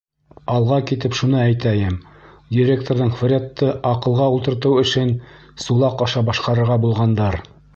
Алға китеп шуны әйтәйем, директорҙың Фредты «аҡылға ултыртыу» эшен Сулаҡ аша башҡарырға булғандар.